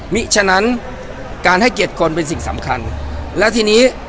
ฉะนั้นการให้เกียรติคนเป็นสิ่งสำคัญและทีนี้